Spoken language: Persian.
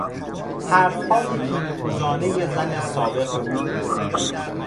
حرفهای کینهتوزانهی زن سابق او